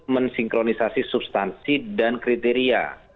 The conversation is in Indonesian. mensinkronisasi substansi dan kriteria